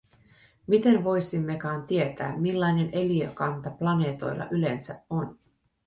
Miten voisimmekaan tietää, millainen eliökanta planeetoilla yleensä on?